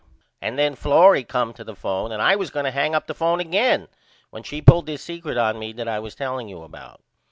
And then Florrie come to the phone and I was going to hang up the phone again when she pulled this secret on me that I was telling you about.